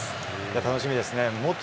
楽しみですね。